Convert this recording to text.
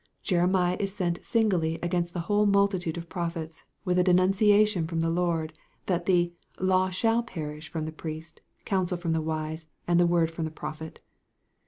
" Jeremiah is sent singly against the whole multitude of prophets, with a denunciation from the Lord, that the "law shall perish from the priest, counsel from the wise, and the word from the prophet."